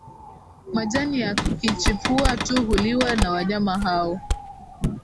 Majani yakichipua tu huliwa na wanyama hao